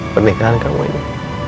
pernikahan kamu ini